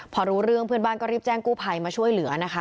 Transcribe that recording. พอรู้เรื่องเพื่อนบ้านก็รีบแจ้งกู้ภัยมาช่วยเหลือนะคะ